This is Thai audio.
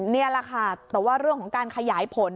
นี่แหละค่ะแต่ว่าเรื่องของการขยายผล